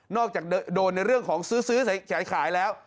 อกจากโดนในเรื่องของซื้อขายแล้ว